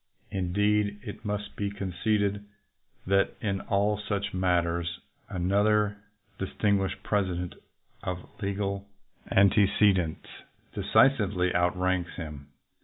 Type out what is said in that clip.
Indeed, it must be conceded that in all such matters another distinguished President of legal antece dents decisively outranks him.